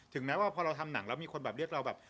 แม้ว่าพอเราทำหนังแล้วมีคนแบบเรียกเราแบบ